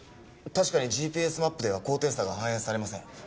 確かにＧＰＳマップでは高低差が反映されません。